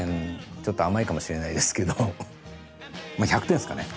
ちょっと甘いかもしれないですけどまあ１００点ですかね。